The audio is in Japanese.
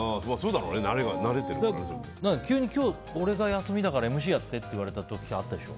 だから急に今日、俺が休みだからＭＣやってって言われた時あったでしょ。